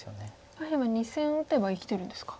下辺は２線打てば生きてるんですか。